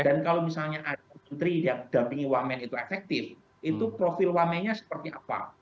dan kalau misalnya ada menteri yang didampingi wamen itu efektif itu profil wamennya seperti apa